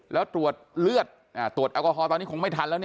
แล้วตรวจเลือดตรวจแอลกอฮอลตอนนี้คงไม่ทันแล้ว